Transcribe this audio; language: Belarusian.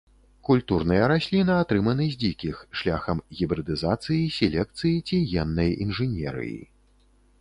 Культурныя расліны атрыманы з дзікіх шляхам гібрыдызацыі, селекцыі ці геннай інжынерыі.